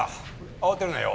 慌てるなよ。